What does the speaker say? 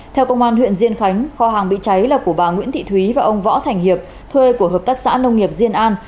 theo công an huyện diên khánh kho hàng bị cháy là của bà nguyễn thị thúy và ông võ thành hiệp thuê của hợp tác xã nông nghiệp diên an